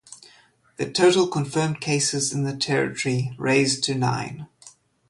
The total confirmed cases in the territory raised to nine.